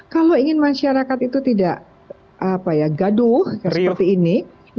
kalau ingin masyarakat itu tidak gaduh seperti ini